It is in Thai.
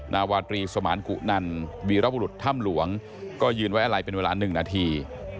นาวาตรีสมานกุนันวีรบุรุษถ้ำหลวงก็ยืนไว้อะไรเป็นเวลา๑นาที